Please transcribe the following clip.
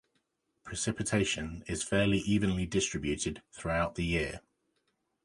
Precipitation is fairly evenly distributed throughout the year.